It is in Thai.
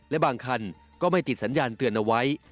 และบางคันก็ไม่ติดสัญญาณเตือนเอาไว้